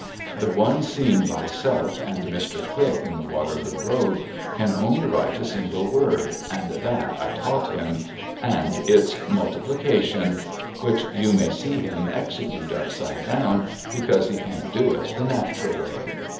The one seen by self and Mr. Click in the Waterloo Road can only write a single word, and that I taught him, and it's Multiplication — which you may see him execute upside down, because he can't do it the natural way.